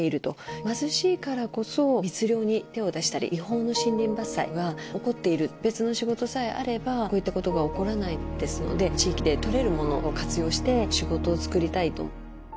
貧しいからこそ密猟に手を出したり違法の森林伐採が起こっている別の仕事さえあればこういったことが起こらないですので地域で採れるものを活用して仕事を作りたいと。